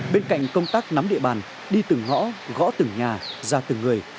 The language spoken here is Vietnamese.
bên cạnh công tác nắm địa bàn đi từng ngõ gõ từng nhà ra từng người